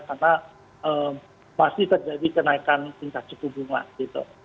karena pasti terjadi kenaikan tingkat suku bunga gitu